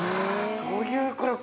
そういうことか。